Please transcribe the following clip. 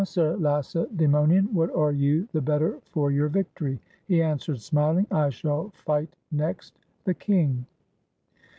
Sir Lacedasmonian, what are you the better for your victory?" he answered smiling, "I shall fight next the king."